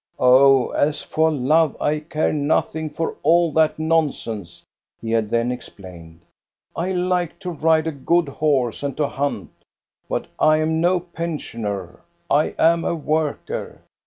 " Oh, as for love, I care nothing for all that non sense," he had then explained. " I like to ride a good horse and to hunt, but I am no pensioner, I am a worker.